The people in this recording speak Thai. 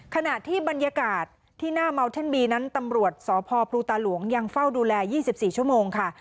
ขณะที่บรรยากาศที่หน้าเมาเท่นบีนั้นตำรวจสพพลูตาหลวงยังเฝ้าดูแล๒๔ชั่วโมงค่ะ